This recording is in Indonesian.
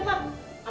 buruan makan cepet